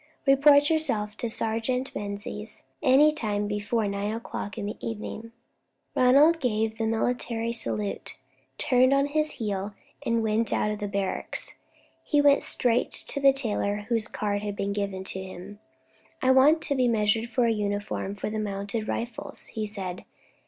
Report yourself to Sergeant Menzies any time before nine o'clock in the evening." Ronald gave the military salute, turned on his heel, and went out of the barracks. He went straight to the tailor whose card had been given to him. "I want to be measured for a uniform for the Mounted Rifles," he said.